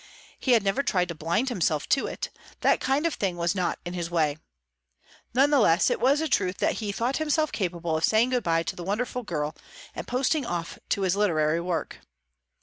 He had never tried to blind himself to it; that kind of thing was not in his way. None the less was it a truth that he thought himself capable of saying good bye to the wonderful girl, and posting off to his literary work.